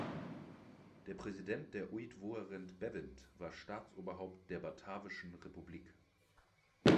Der Präsident der Uitvoerend Bewind war Staatsoberhaupt der Batavischen Republik.